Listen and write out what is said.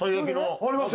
ありますよ。